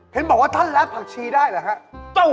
เห็นบอกว่าท่านรับผักชีได้หรือครับ